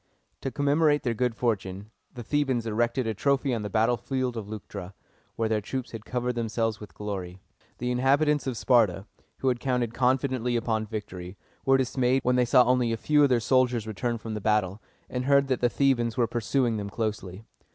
To commemorate their good fortune, the Thebans erected a trophy on the battlefield of Leuctra, where their troops had covered themselves with glory. The inhabitants of Sparta, who had counted confidently upon victory, were dismayed when they saw only a few of their soldiers return from the battle, and heard that the Thebans were pursuing them closely.